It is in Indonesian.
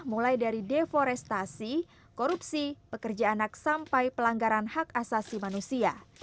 mulai dari deforestasi korupsi pekerja anak sampai pelanggaran hak asasi manusia